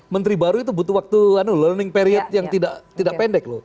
menteri baru itu butuh waktu learning period yang tidak pendek loh